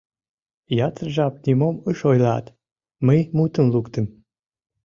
Ятыр жап нимом ыш ойлат, мый мутым луктым: